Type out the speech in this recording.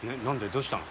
どうしたの？